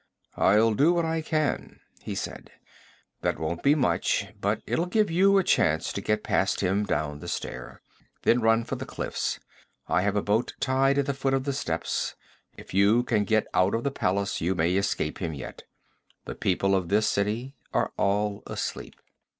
'I'll do what I can,' he said. 'That won't be much, but it'll give you a chance to get past him down the stair. Then run for the cliffs. I have a boat tied at the foot of the steps. If you can get out of the palace you may escape him yet. The people of this city are all asleep.'